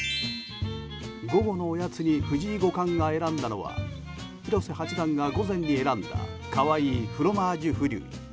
午後のおやつに藤井五冠が選んだのは広瀬八段が午前に選んだ可愛い「フロマージュフリュイ」。